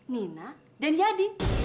nina dan yadi